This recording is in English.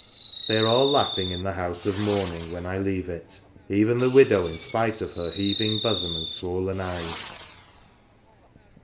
They are all laughing in the house of mourning when I leave it, even the widow in spite of her heaving bosom and swollen eyes.